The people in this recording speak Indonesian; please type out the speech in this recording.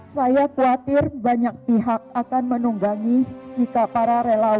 saya khawatir banyak pihak akan menunggangi jika para relawan